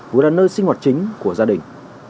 vừa là nơi sinh hoạt chính của gia đình